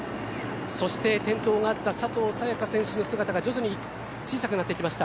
そして転倒があった佐藤早也伽選手の姿が徐々に小さくなってきました。